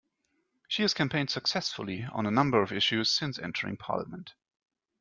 She has campaigned successfully on a number of issues since entering parliament.